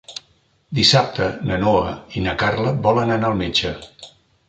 Dissabte na Noa i na Carla volen anar al metge.